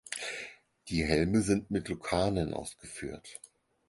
Die Helme sind mit Lukarnen ausgeführt.